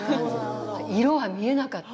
色は見えなかった。